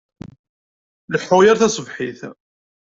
Leḥḥuɣ yal taṣebḥit.